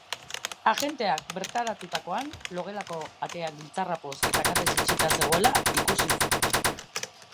Agenteak bertaratutakoan, logelako atea giltzarrapoz eta katez itxita zegoela ikusi zuten.